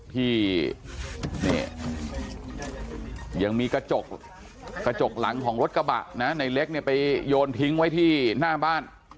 ที่นี่ยังมีกระจกหลังของรถกระบะนะในเล็กเนี่ยไปโยนทิ้งไว้ที่หน้าบ้าน